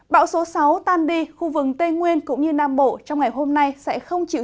bão số sáu tan đi khu vực tây nguyên cũng như nam bộ trong ngày hôm nay sẽ không chịu